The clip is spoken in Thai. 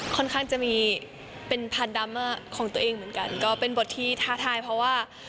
ค่อนข้างจะมีเป็นพันธราม่าของตัวเองเหมือนกันก็เป็นบทที่ท้าทายเพราะว่า